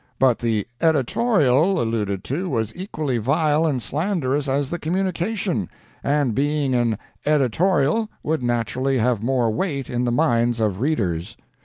But the "Editorial" alluded to was equally vile and slanderous as the "communication," and being an "Editorial" would naturally have more weight in the minds of readers.